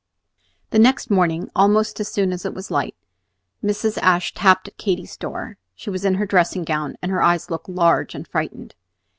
The next morning, almost as soon as it was light, Mrs. Ashe tapped at Katy's door. She was in her dressing gown, and her eyes looked large and frightened.